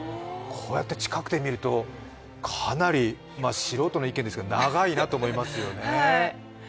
こうやって近くで見るとかなり素人の意見ですけど長いなと思いますよね。